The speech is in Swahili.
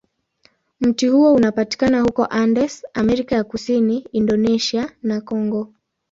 Mti huo unapatikana huko Andes, Amerika ya Kusini, Indonesia, na Kongo.